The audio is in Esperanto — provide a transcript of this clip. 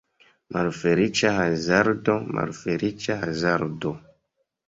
Malfeliĉa hazardo, malfeliĉa hazardo!